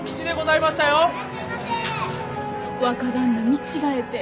若旦那見違えて。